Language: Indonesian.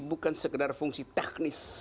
bukan sekedar fungsi teknis